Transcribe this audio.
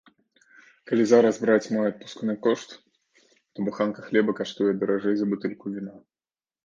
Калі зараз браць мой адпускны кошт, то буханка хлеба каштуе даражэй за бутэльку віна.